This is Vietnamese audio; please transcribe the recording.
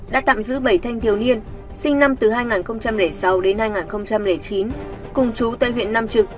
đã tạm giữ bảy thanh thiếu niên sinh năm từ hai nghìn sáu đến hai nghìn chín cùng chú tại huyện nam trực